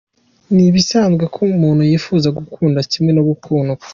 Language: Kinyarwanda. Ni ibisanzwe ko umuntu yifuza gukunda kimwe no gukundwa.